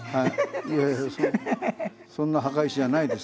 いやいやそんな墓石じゃないです。